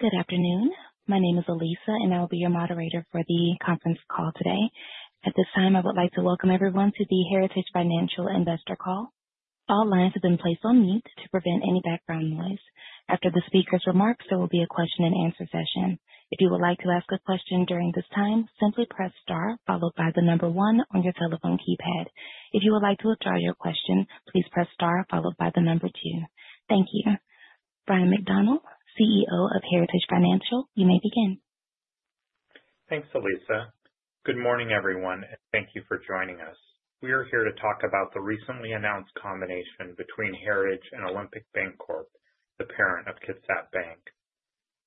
Good afternoon. My name is Elisa, and I will be your moderator for the conference call today. At this time, I would like to welcome everyone to the Heritage Financial Investor Call. All lines have been placed on mute to prevent any background noise. After the speaker's remarks, there will be a question-and-answer session. If you would like to ask a question during this time, simply press star, followed by the number one on your telephone keypad. If you would like to withdraw your question, please press star, followed by the number two. Thank you. Bryan McDonald, CEO of Heritage Financial, you may begin. Thanks, Elisa. Good morning, everyone, and thank you for joining us. We are here to talk about the recently announced combination between Heritage and Olympic Bancorp, the parent of Kitsap Bank.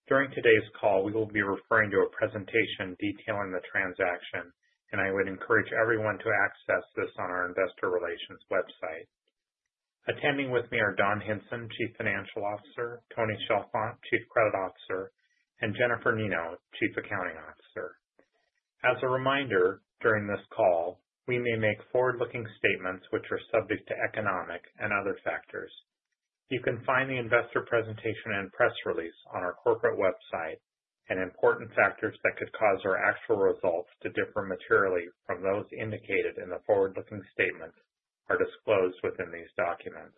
During today's call, we will be referring to a presentation detailing the transaction, and I would encourage everyone to access this on our investor relations website. Attending with me are Don Hinson, Chief Financial Officer, Tony Chalfant, Chief Credit Officer, and Jennifer Nino, Chief Accounting Officer. As a reminder, during this call, we may make forward-looking statements which are subject to economic and other factors. You can find the investor presentation and press release on our corporate website, and important factors that could cause our actual results to differ materially from those indicated in the forward-looking statements are disclosed within these documents.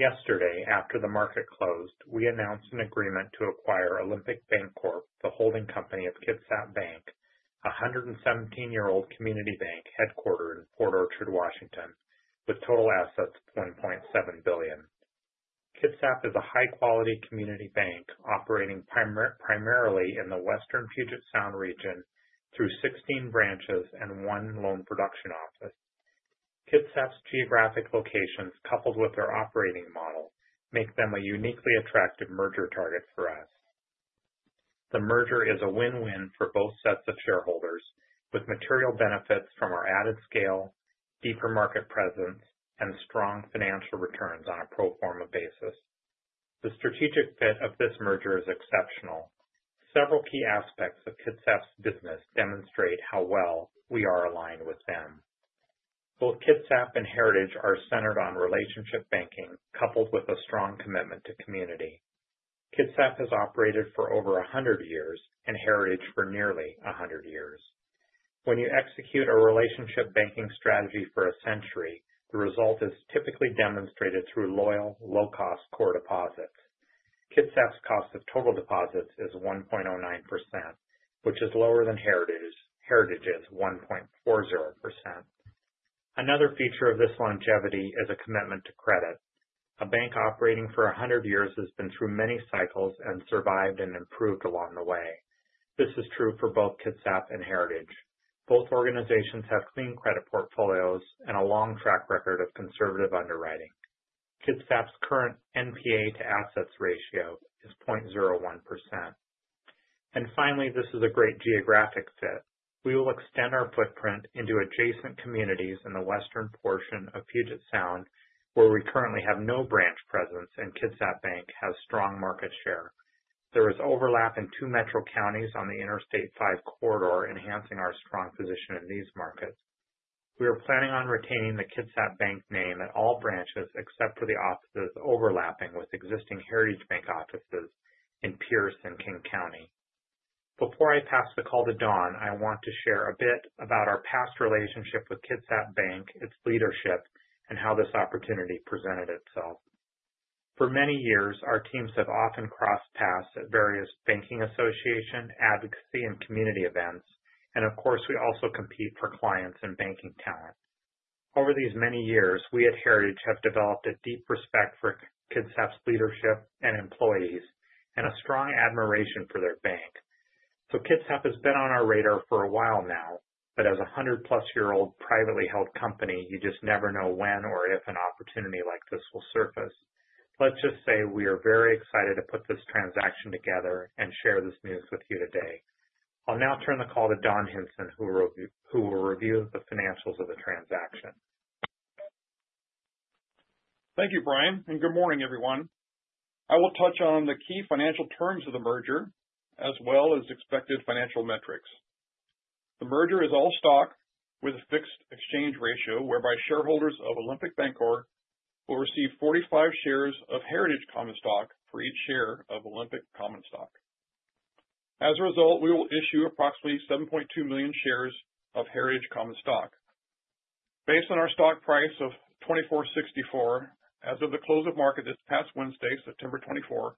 Yesterday, after the market closed, we announced an agreement to acquire Olympic Bancorp, the holding company of Kitsap Bank, a 117-year-old community bank headquartered in Port Orchard, Washington, with total assets of $1.7 billion. Kitsap is a high-quality community bank operating primarily in the western Puget Sound region through 16 branches and one loan production office. Kitsap's geographic locations, coupled with their operating model, make them a uniquely attractive merger target for us. The merger is a win-win for both sets of shareholders, with material benefits from our added scale, deeper market presence, and strong financial returns on a pro forma basis. The strategic fit of this merger is exceptional. Several key aspects of Kitsap's business demonstrate how well we are aligned with them. Both Kitsap and Heritage are centered on relationship banking, coupled with a strong commitment to community. Kitsap has operated for over 100 years, and Heritage for nearly 100 years. When you execute a relationship banking strategy for a century, the result is typically demonstrated through loyal, low-cost core deposits. Kitsap's cost of total deposits is 1.09%, which is lower than Heritage's 1.40%. Another feature of this longevity is a commitment to credit. A bank operating for 100 years has been through many cycles and survived and improved along the way. This is true for both Kitsap and Heritage. Both organizations have clean credit portfolios and a long track record of conservative underwriting. Kitsap's current NPA to assets ratio is 0.01%, and finally, this is a great geographic fit. We will extend our footprint into adjacent communities in the western portion of Puget Sound, where we currently have no branch presence, and Kitsap Bank has strong market share. There is overlap in two metro counties on the Interstate 5 corridor, enhancing our strong position in these markets. We are planning on retaining the Kitsap Bank name at all branches except for the offices overlapping with existing Heritage Bank offices in Pierce and King County. Before I pass the call to Don, I want to share a bit about our past relationship with Kitsap Bank, its leadership, and how this opportunity presented itself. For many years, our teams have often crossed paths at various banking association, advocacy, and community events, and of course, we also compete for clients and banking talent. Over these many years, we at Heritage have developed a deep respect for Kitsap's leadership and employees, and a strong admiration for their bank. So Kitsap has been on our radar for a while now, but as a 100-plus-year-old privately held company, you just never know when or if an opportunity like this will surface. Let's just say we are very excited to put this transaction together and share this news with you today. I'll now turn the call to Don Hinson, who will review the financials of the transaction. Thank you, Bryan, and good morning, everyone. I will touch on the key financial terms of the merger, as well as expected financial metrics. The merger is all stock with a fixed-exchange ratio, whereby shareholders of Olympic Bancorp will receive 45 shares of Heritage Common Stock for each share of Olympic Common Stock. As a result, we will issue approximately 7.2 million shares of Heritage Common Stock. Based on our stock price of $24.64 as of the close of market this past Wednesday, September 24,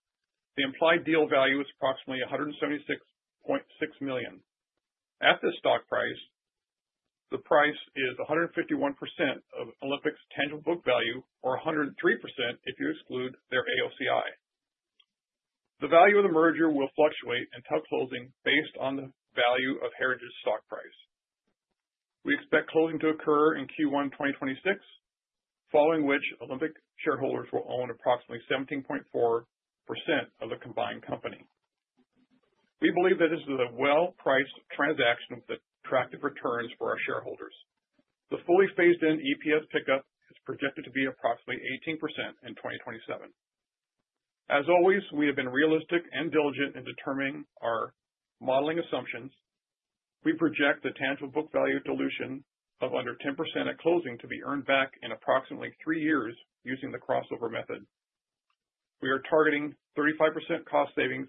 the implied deal value is approximately $176.6 million. At this stock price, the price is 151% of Olympic's tangible book value, or 103% if you exclude their AOCI. The value of the merger will fluctuate until closing based on the value of Heritage's stock price. We expect closing to occur in Q1 2026, following which Olympic shareholders will own approximately 17.4% of the combined company. We believe that this is a well-priced transaction with attractive returns for our shareholders. The fully phased-in EPS pickup is projected to be approximately 18% in 2027. As always, we have been realistic and diligent in determining our modeling assumptions. We project the tangible book value dilution of under 10% at closing to be earned back in approximately three years using the crossover method. We are targeting 35% cost savings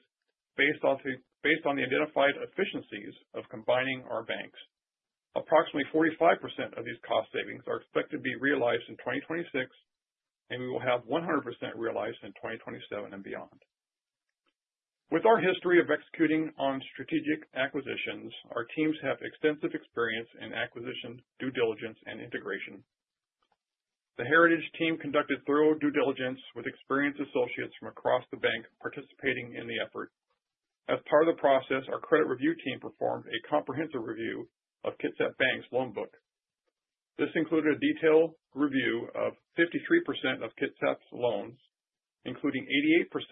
based on the identified efficiencies of combining our banks. Approximately 45% of these cost savings are expected to be realized in 2026, and we will have 100% realized in 2027 and beyond. With our history of executing on strategic acquisitions, our teams have extensive experience in acquisition, due diligence, and integration. The Heritage team conducted thorough due diligence with experienced associates from across the bank participating in the effort. As part of the process, our credit review team performed a comprehensive review of Kitsap Bank's loan book. This included a detailed review of 53% of Kitsap's loans, including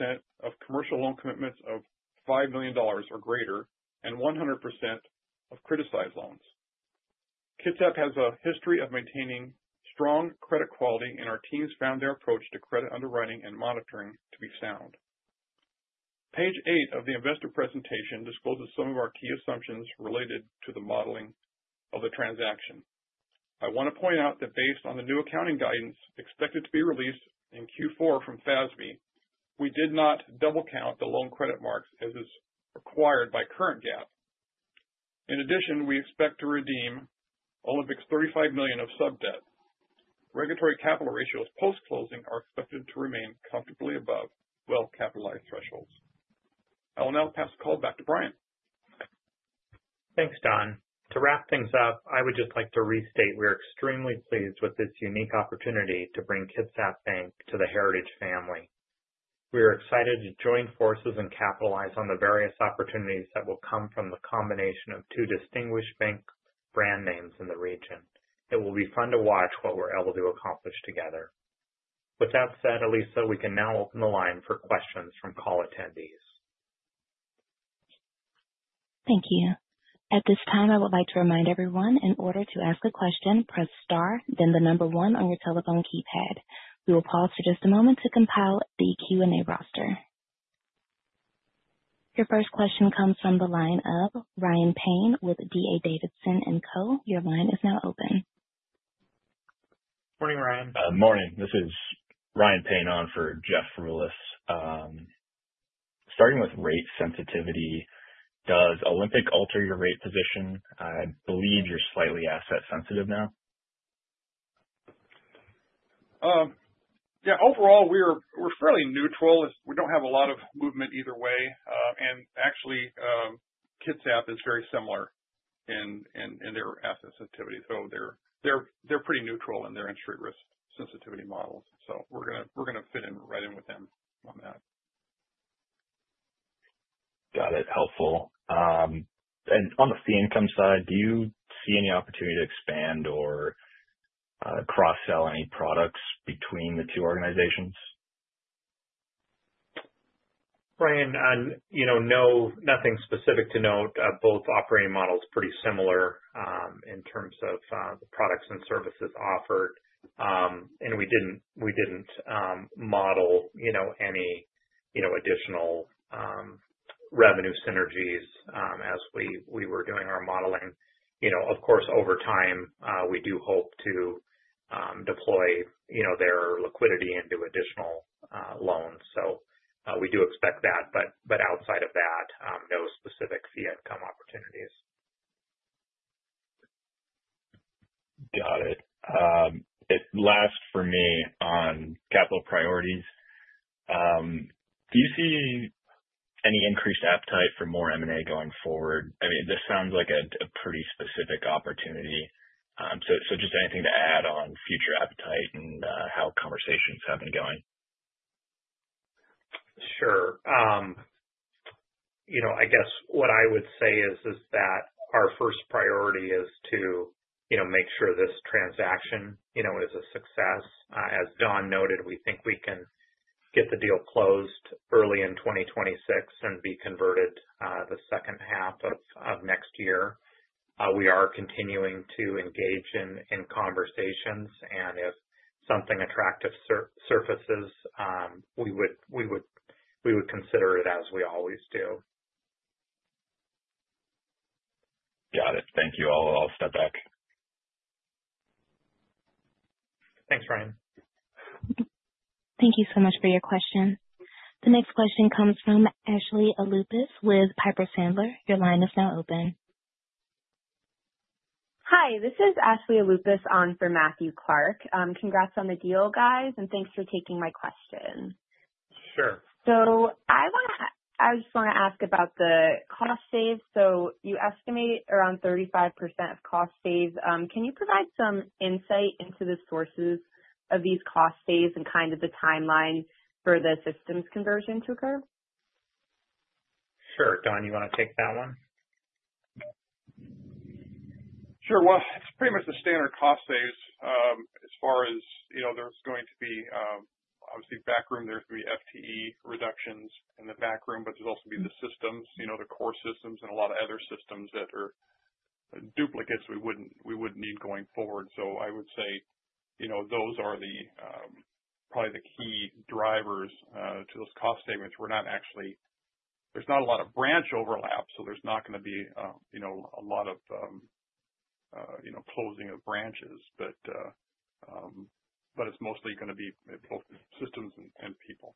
88% of commercial loan commitments of $5 million or greater, and 100% of criticized loans. Kitsap has a history of maintaining strong credit quality, and our teams found their approach to credit underwriting and monitoring to be sound. Page eight of the investor presentation discloses some of our key assumptions related to the modeling of the transaction. I want to point out that based on the new accounting guidance expected to be released in Q4 from FASB, we did not double-count the loan credit marks as is required by current GAAP. In addition, we expect to redeem Olympic's $35 million of subdebt. Regulatory capital ratios post-closing are expected to remain comfortably above well-capitalized thresholds. I will now pass the call back to Bryan. Thanks, Don. To wrap things up, I would just like to restate we are extremely pleased with this unique opportunity to bring Kitsap Bank to the Heritage family. We are excited to join forces and capitalize on the various opportunities that will come from the combination of two distinguished bank brand names in the region. It will be fun to watch what we're able to accomplish together. With that said, Elisa, we can now open the line for questions from call attendees. Thank you. At this time, I would like to remind everyone, in order to ask a question, press star, then the number one on your telephone keypad. We will pause for just a moment to compile the Q&A roster. Your first question comes from the line of Ryan Payne with D.A. Davidson & Co. Your line is now open. Morning, Ryan. Morning. This is Ryan Payne on for Jeff Rulis. Starting with rate sensitivity, does Olympic alter your rate position? I believe you're slightly asset-sensitive now. Yeah, overall, we're fairly neutral. We don't have a lot of movement either way. And actually, Kitsap is very similar in their asset sensitivity. So they're pretty neutral in their interest rate sensitivity models. So we're going to fit in right in with them on that. Got it. Helpful. And on the fee-income side, do you see any opportunity to expand or cross-sell any products between the two organizations? Ryan, nothing specific to note. Both operating models are pretty similar in terms of the products and services offered. And we didn't model any additional revenue synergies as we were doing our modeling. Of course, over time, we do hope to deploy their liquidity into additional loans. So we do expect that. But outside of that, no specific fee-income opportunities. Got it. Last for me on capital priorities. Do you see any increased appetite for more M&A going forward? I mean, this sounds like a pretty specific opportunity. So just anything to add on future appetite and how conversations have been going? Sure. I guess what I would say is that our first priority is to make sure this transaction is a success. As Don noted, we think we can get the deal closed early in 2026 and be converted the second half of next year. We are continuing to engage in conversations, and if something attractive surfaces, we would consider it as we always do. Got it. Thank you. I'll step back. Thanks, Ryan. Thank you so much for your question. The next question comes from Ashley Aloupis with Piper Sandler. Your line is now open. Hi, this is Ashley Aloupis on for Matthew Clark. Congrats on the deal, guys, and thanks for taking my question. Sure. I just want to ask about the cost savings. You estimate around 35% of cost savings. Can you provide some insight into the sources of these cost savings and kind of the timeline for the systems conversion to occur? Sure. Don, you want to take that one? Sure, well, it's pretty much the standard cost savings as far as there's going to be, obviously, back room. There's going to be FTE reductions in the back room, but there's also going to be the systems, the core systems, and a lot of other systems that are duplicates we wouldn't need going forward. So I would say those are probably the key drivers to those cost savings. There's not a lot of branch overlap, so there's not going to be a lot of closing of branches, but it's mostly going to be both systems and people.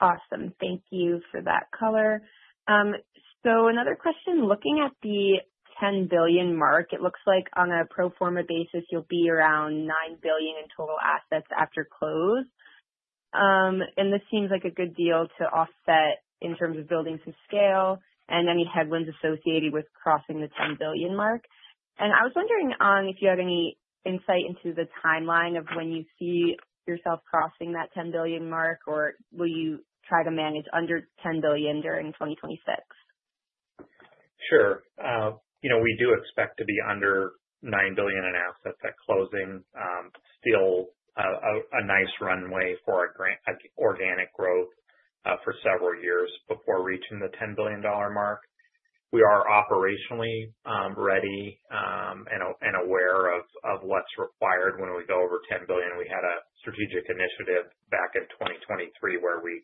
Awesome. Thank you for that color. So another question. Looking at the $10 billion mark, it looks like on a pro forma basis, you'll be around $9 billion in total assets after close. And this seems like a good deal to offset in terms of building some scale and any headwinds associated with crossing the $10 billion mark. And I was wondering if you had any insight into the timeline of when you see yourself crossing that $10 billion mark, or will you try to manage under $10 billion during 2026? Sure. We do expect to be under $9 billion in assets at closing. Still a nice runway for organic growth for several years before reaching the $10 billion mark. We are operationally ready and aware of what's required when we go over $10 billion. We had a strategic initiative back in 2023 where we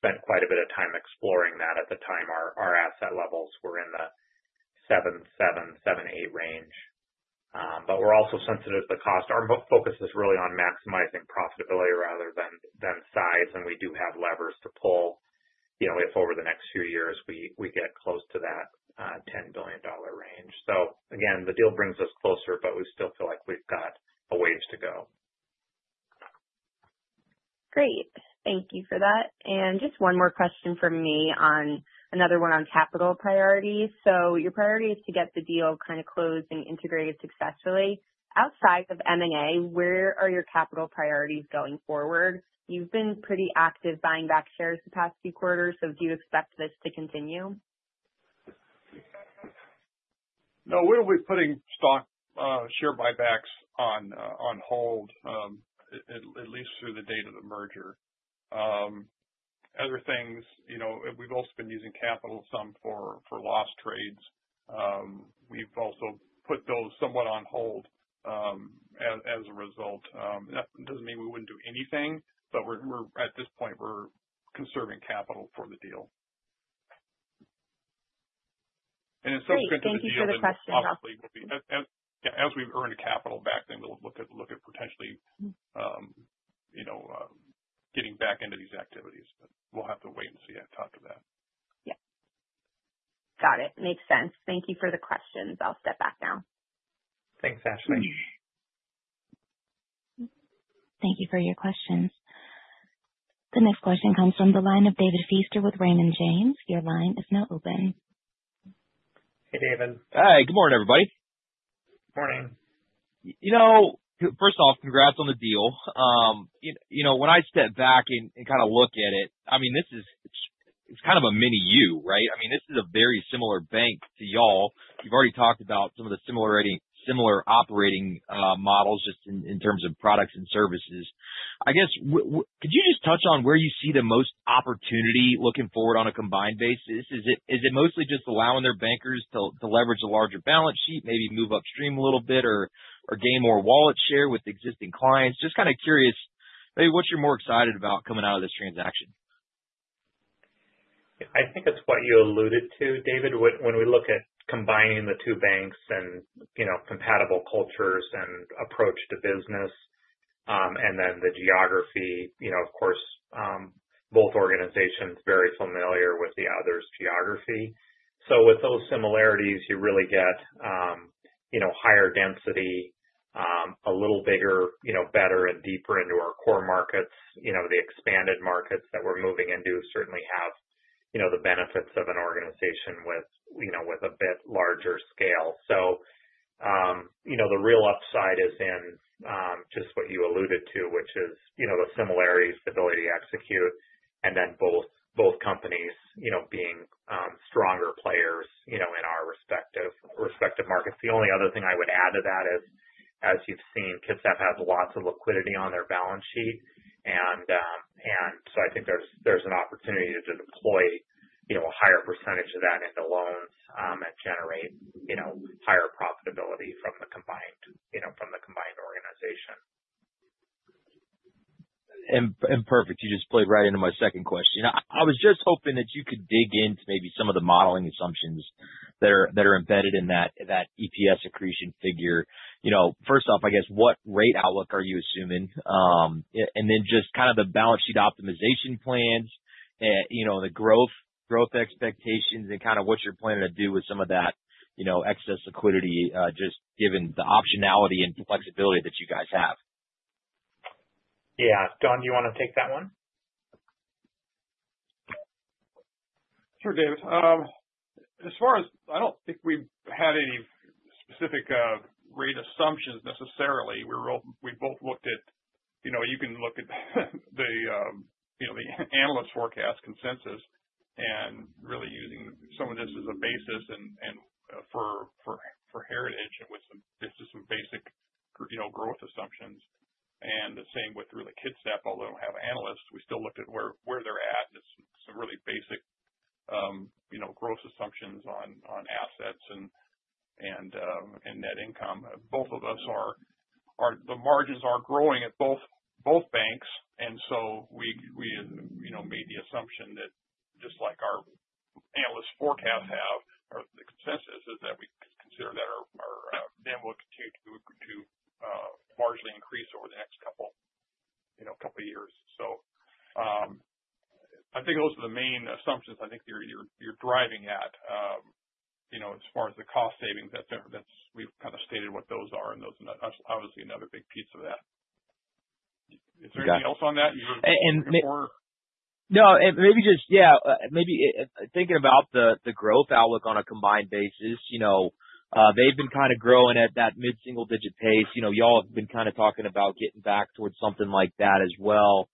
spent quite a bit of time exploring that. At the time, our asset levels were in the 7-8 range, but we're also sensitive to the cost. Our focus is really on maximizing profitability rather than size, and we do have levers to pull if over the next few years we get close to that $10 billion range, so again, the deal brings us closer, but we still feel like we've got a ways to go. Great. Thank you for that, and just one more question from me on another one on capital priorities. So your priority is to get the deal kind of closed and integrated successfully. Outside of M&A, where are your capital priorities going forward? You've been pretty active buying back shares the past few quarters, so do you expect this to continue? No, we're always putting share buybacks on hold, at least through the date of the merger. Other things, we've also been using capital some for loss trades. We've also put those somewhat on hold as a result. That doesn't mean we wouldn't do anything, but at this point, we're conserving capital for the deal. And in some instances, the other option possibly would be, as we've earned capital back, then we'll look at potentially getting back into these activities. But we'll have to wait and see after that. Yeah. Got it. Makes sense. Thank you for the questions. I'll step back now. Thanks, Ashley. Thank you for your questions. The next question comes from the line of David Feaster with Raymond James. Your line is now open. Hey, David. Hi. Good morning, everybody. Morning. First off, congrats on the deal. When I step back and kind of look at it, I mean, it's kind of a mini you, right? I mean, this is a very similar bank to y'all. You've already talked about some of the similar operating models just in terms of products and services. I guess, could you just touch on where you see the most opportunity looking forward on a combined basis? Is it mostly just allowing their bankers to leverage a larger balance sheet, maybe move upstream a little bit, or gain more wallet share with existing clients? Just kind of curious, maybe what you're more excited about coming out of this transaction? I think it's what you alluded to, David. When we look at combining the two banks and compatible cultures and approach to business, and then the geography, of course, both organizations are very familiar with the other's geography. So with those similarities, you really get higher density, a little bigger, better, and deeper into our core markets. The expanded markets that we're moving into certainly have the benefits of an organization with a bit larger scale. So the real upside is in just what you alluded to, which is the similarities, the ability to execute, and then both companies being stronger players in our respective markets. The only other thing I would add to that is, as you've seen, Kitsap has lots of liquidity on their balance sheet. I think there's an opportunity to deploy a higher percentage of that into loans and generate higher profitability from the combined organization. And perfect. You just played right into my second question. I was just hoping that you could dig into maybe some of the modeling assumptions that are embedded in that EPS accretion figure. First off, I guess, what rate outlook are you assuming? And then just kind of the balance sheet optimization plans, the growth expectations, and kind of what you're planning to do with some of that excess liquidity, just given the optionality and flexibility that you guys have. Yeah. Don, do you want to take that one? Sure, David. As far as, I don't think we've had any specific rate assumptions necessarily. We both looked at. You can look at the analyst forecast consensus and really using some of this as a basis for Heritage with just some basic growth assumptions. And the same with really Kitsap, although we don't have analysts. We still looked at where they're at and some really basic growth assumptions on assets and net income. The margins are growing at both banks. And so we made the assumption that just like our analyst forecasts have, or the consensus is, that we consider that our. Then we'll continue to marginally increase over the next couple of years. So I think those are the main assumptions I think you're driving at as far as the cost savings. We've kind of stated what those are, and that's obviously another big piece of that. Is there anything else on that? And. No, maybe just, yeah, maybe thinking about the growth outlook on a combined basis. They've been kind of growing at that mid-single-digit pace. Y'all have been kind of talking about getting back towards something like that as well.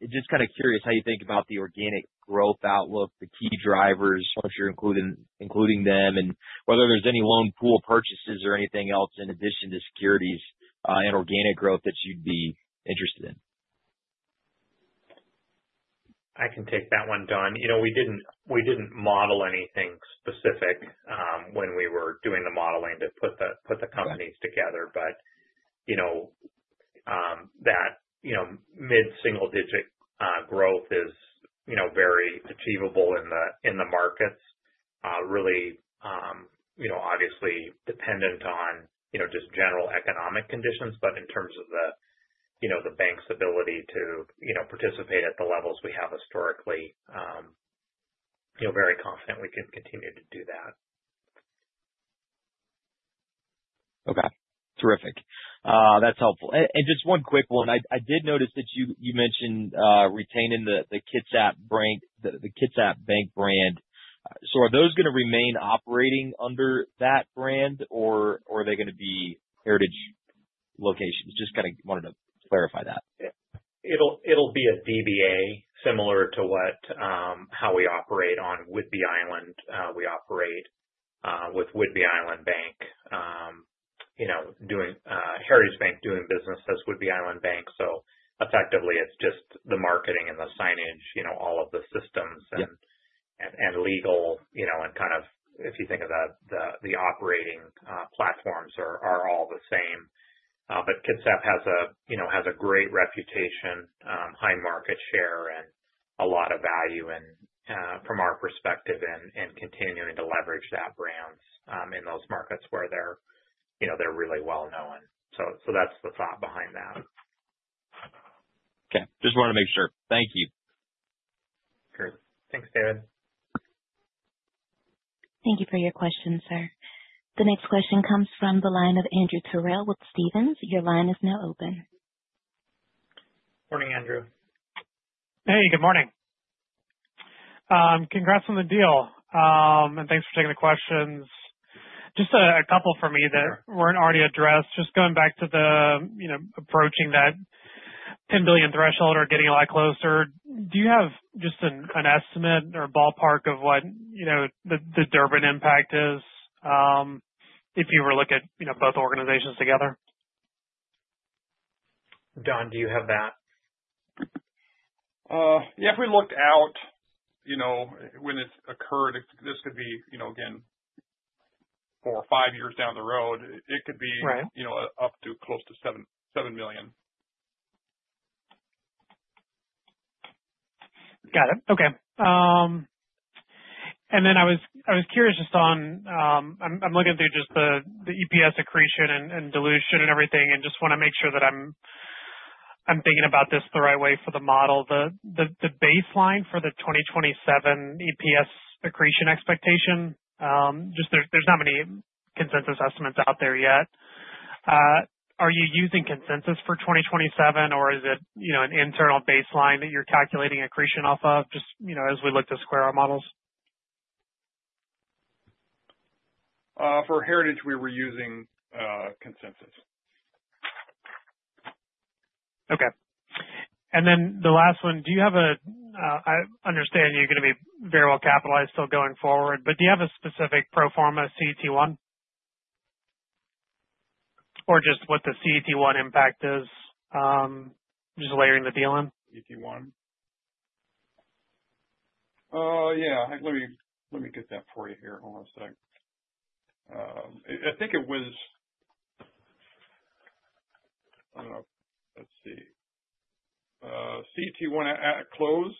Just kind of curious how you think about the organic growth outlook, the key drivers, once you're including them, and whether there's any loan pool purchases or anything else in addition to securities and organic growth that you'd be interested in. I can take that one, Don. We didn't model anything specific when we were doing the modeling to put the companies together. But that mid-single-digit growth is very achievable in the markets, really obviously dependent on just general economic conditions. But in terms of the bank's ability to participate at the levels we have historically, very confident we can continue to do that. Okay. Terrific. That's helpful. And just one quick one. I did notice that you mentioned retaining the Kitsap Bank brand. So are those going to remain operating under that brand, or are they going to be Heritage locations? Just kind of wanted to clarify that. It'll be a DBA similar to how we operate on Whidbey Island. We operate with Whidbey Island Bank, Heritage Bank doing business as Whidbey Island Bank. So effectively, it's just the marketing and the signage, all of the systems and legal and kind of, if you think of the operating platforms, are all the same. But Kitsap has a great reputation, high market share, and a lot of value from our perspective in continuing to leverage that brand in those markets where they're really well-known. So that's the thought behind that. Okay. Just wanted to make sure. Thank you. Sure. Thanks, David. Thank you for your question, sir. The next question comes from the line of Andrew Terrell with Stephens. Your line is now open. Morning, Andrew. Hey, good morning. Congrats on the deal and thanks for taking the questions. Just a couple for me that weren't already addressed. Just going back to the approaching that $10 billion threshold or getting a lot closer, do you have just an estimate or ballpark of what the Durbin impact is if you were to look at both organizations together? Don, do you have that? Yeah. If we looked out when this occurred, this could be, again, four or five years down the road. It could be up to close to $7 million. Got it. Okay. And then I was curious, just on, I'm looking through just the EPS accretion and dilution and everything, and just want to make sure that I'm thinking about this the right way for the model. The baseline for the 2027 EPS accretion expectation, just there's not many consensus estimates out there yet. Are you using consensus for 2027, or is it an internal baseline that you're calculating accretion off of just as we look to square our models? For Heritage, we were using consensus. Okay. And then the last one, do you have? I understand you're going to be very well capitalized still going forward, but do you have a specific pro forma CET1? Or just what the CET1 impact is, just layering the deal in? CET1? Yeah. Let me get that for you here. Hold on a sec. I think it was, I don't know. Let's see. CET1 at close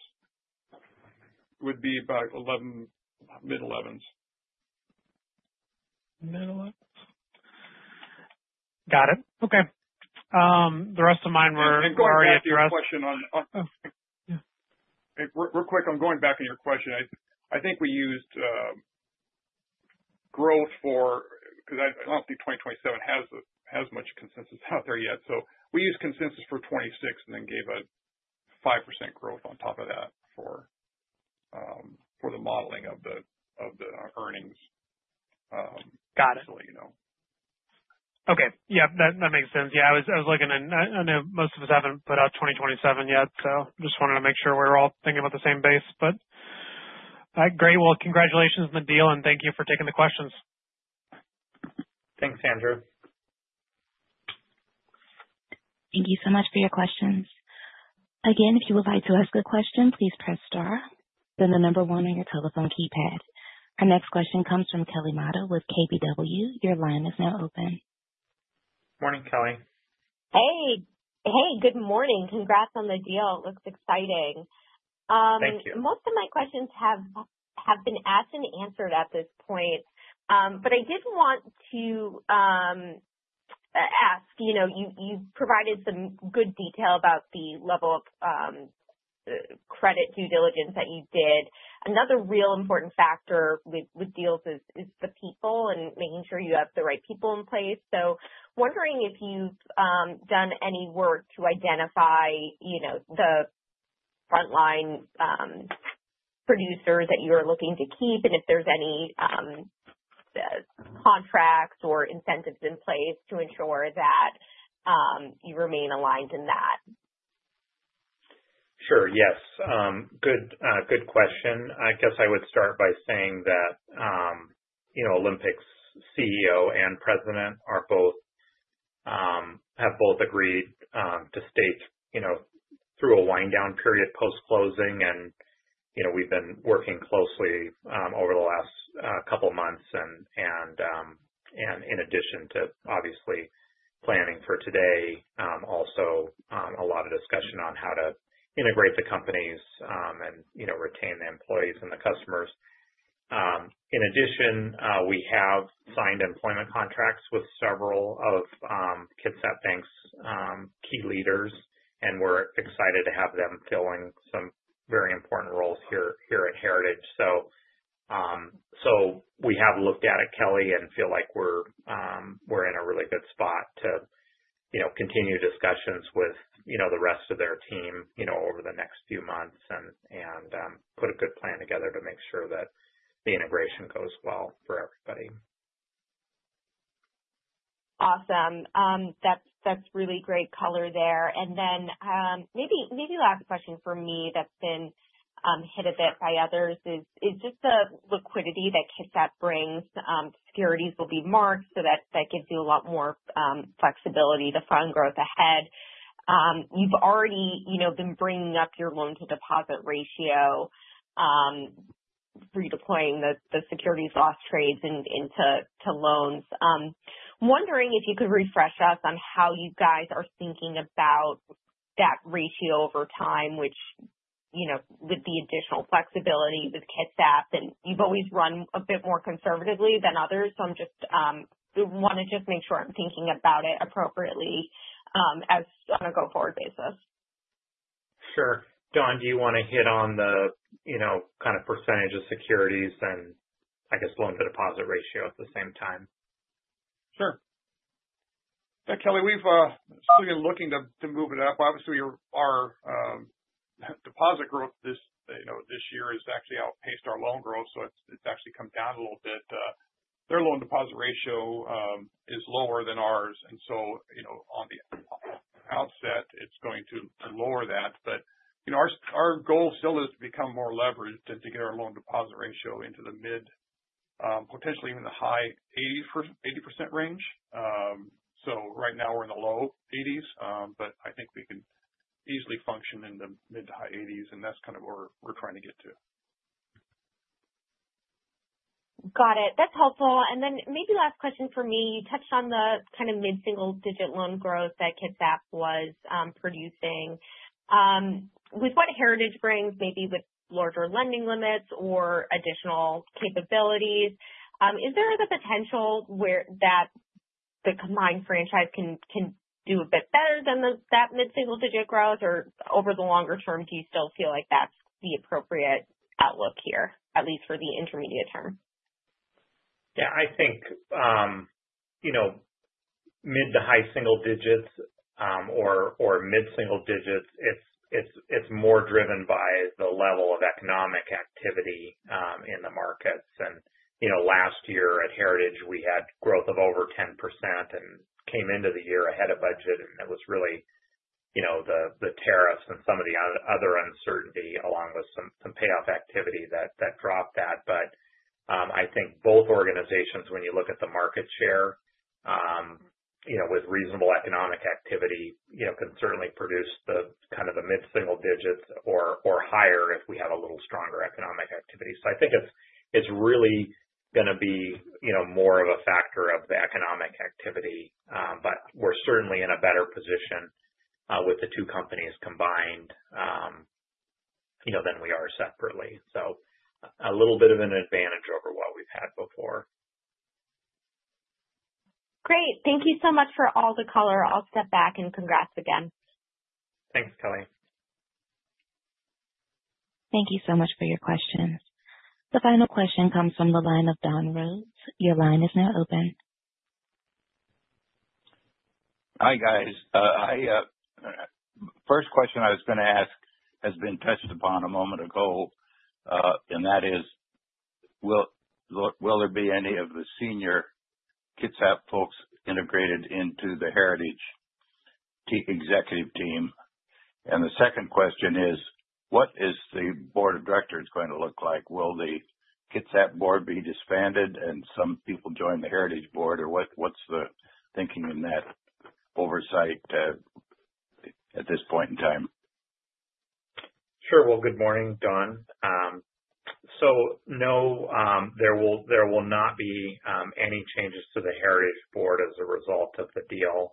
would be about mid-11s. Mid-11s? Got it. Okay. The rest of mine were already at your. And go ahead. I have a question on. Yeah. Real quick, I'm going back on your question. I think we used growth for because I don't think 2027 has much consensus out there yet. So we used consensus for 2026 and then gave a 5% growth on top of that for the modeling of the earnings initially. Got it. Okay. Yeah. That makes sense. Yeah. I was looking in. I know most of us haven't put out 2027 yet, so I just wanted to make sure we're all thinking about the same base. But all right. Great. Well, congratulations on the deal, and thank you for taking the questions. Thanks, Andrew. Thank you so much for your questions. Again, if you would like to ask a question, please press star, then the number one on your telephone keypad. Our next question comes from Kelly Motta with KBW. Your line is now open. Morning, Kelly. Hey. Hey, good morning. Congrats on the deal. It looks exciting. Thank you. Most of my questions have been asked and answered at this point. But I did want to ask, you provided some good detail about the level of credit due diligence that you did. Another real important factor with deals is the people and making sure you have the right people in place. So wondering if you've done any work to identify the frontline producers that you are looking to keep and if there's any contracts or incentives in place to ensure that you remain aligned in that? Sure. Yes. Good question. I guess I would start by saying that Olympic's CEO and president have both agreed to stay through a wind-down period post-closing. And we've been working closely over the last couple of months. And in addition to, obviously, planning for today, also a lot of discussion on how to integrate the companies and retain the employees and the customers. In addition, we have signed employment contracts with several of Kitsap Bank's key leaders, and we're excited to have them filling some very important roles here at Heritage. So we have looked at it, Kelly, and feel like we're in a really good spot to continue discussions with the rest of their team over the next few months and put a good plan together to make sure that the integration goes well for everybody. Awesome. That's really great color there. And then maybe last question for me that's been hit a bit by others is just the liquidity that Kitsap brings. Securities will be marked, so that gives you a lot more flexibility to fund growth ahead. You've already been bringing up your loan-to-deposit ratio for you deploying the securities loss trades into loans. I'm wondering if you could refresh us on how you guys are thinking about that ratio over time, which with the additional flexibility with Kitsap. And you've always run a bit more conservatively than others, so I want to just make sure I'm thinking about it appropriately on a go-forward basis. Sure. Don, do you want to hit on the kind of percentage of securities and, I guess, loan-to-deposit ratio at the same time? Sure. Kelly, we've been looking to move it up. Obviously, our deposit growth this year has actually outpaced our loan growth, so it's actually come down a little bit. Their loan-to-deposit ratio is lower than ours. And so on the outset, it's going to lower that. But our goal still is to become more leveraged and to get our loan-to-deposit ratio into the mid, potentially even the high 80% range. So right now, we're in the low 80s, but I think we can easily function in the mid to high 80s, and that's kind of where we're trying to get to. Got it. That's helpful, and then maybe last question for me. You touched on the kind of mid-single-digit loan growth that Kitsap was producing. With what Heritage brings, maybe with larger lending limits or additional capabilities, is there the potential that the combined franchise can do a bit better than that mid-single-digit growth? Or over the longer term, do you still feel like that's the appropriate outlook here, at least for the intermediate term? Yeah. I think mid to high single digits or mid-single digits, it's more driven by the level of economic activity in the markets. And last year at Heritage, we had growth of over 10% and came into the year ahead of budget. And it was really the tariffs and some of the other uncertainty along with some payoff activity that dropped that. But I think both organizations, when you look at the market share with reasonable economic activity, can certainly produce the kind of mid-single digits or higher if we have a little stronger economic activity. So I think it's really going to be more of a factor of the economic activity. But we're certainly in a better position with the two companies combined than we are separately. So a little bit of an advantage over what we've had before. Great. Thank you so much for all the color. I'll step back and congrats again. Thanks, Kelly. Thank you so much for your questions. The final question comes from the line of Don Rhodes. Your line is now open. Hi, guys. First question I was going to ask has been touched upon a moment ago, and that is, will there be any of the senior Kitsap folks integrated into the Heritage executive team? And the second question is, what is the board of directors going to look like? Will the Kitsap board be disbanded and some people join the Heritage board, or what's the thinking in that oversight at this point in time? Sure, well, good morning, Don, so no, there will not be any changes to the Heritage board as a result of the deal.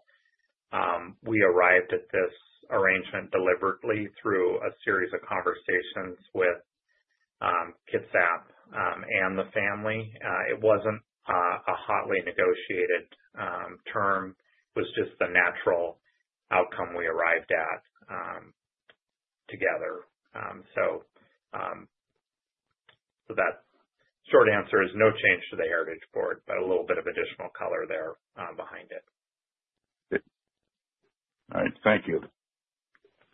We arrived at this arrangement deliberately through a series of conversations with Kitsap and the family. It wasn't a hotly negotiated term. It was just the natural outcome we arrived at together, so that short answer is no change to the Heritage board, but a little bit of additional color there behind it. All right. Thank you.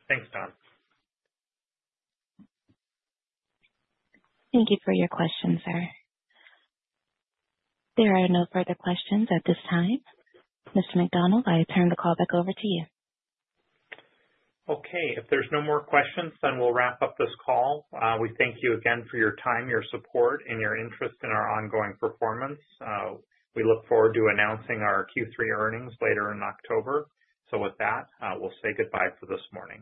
Thanks, Don. Thank you for your questions, sir. There are no further questions at this time. Mr. McDonald, I turn the call back over to you. Okay. If there's no more questions, then we'll wrap up this call. We thank you again for your time, your support, and your interest in our ongoing performance. We look forward to announcing our Q3 earnings later in October. So with that, we'll say goodbye for this morning.